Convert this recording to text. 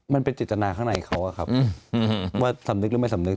มันเป็นจิตนาข้างในเขาอะครับว่าสำนึกหรือไม่สำนึก